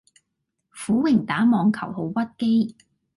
苦榮打網球好屈機